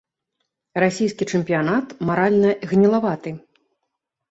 Расійскі чэмпіянат маральна гнілаваты.